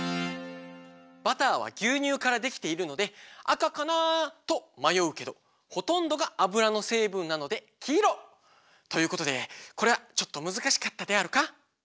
バターはぎゅうにゅうからできているので「あかかなあ？」とまようけどほとんどがあぶらのせいぶんなのできいろ！ということでこれはちょっとむずかしかったであるか？